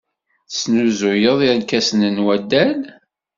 Tesnuzuyed irkasen n waddal?